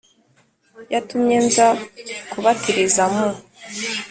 yatumye nza kubatiriza mu